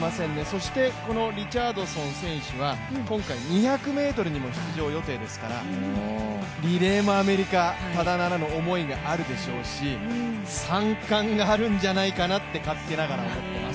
そしてこのリチャードソン選手は今回２００ｍにも出場予定ですからリレーもアメリカ、ただならぬ思いがあるでしょうし、３冠があるんじゃないかなと勝手ながら思ってます。